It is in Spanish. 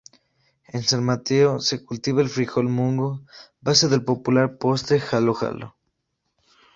En San Mateo se cultiva el frijol mungo, base del popular postre halo-halo.